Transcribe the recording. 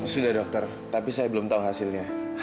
sudah dokter tapi saya belum tahu hasilnya